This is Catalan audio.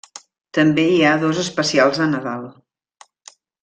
També hi ha dos especials de Nadal.